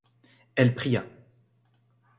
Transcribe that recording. Elle pria.